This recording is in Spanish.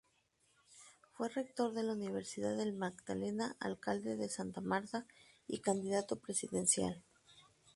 Fue rector de la Universidad del Magdalena, alcalde de Santa Marta y candidato presidencial.